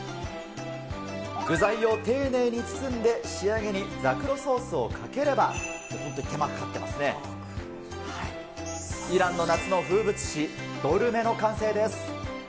具材を丁寧に包んで、仕上げにザクロソースをかければ、手間かかってますね、イランの夏の風物詩、ドルメの完成です。